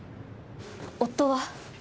夫は？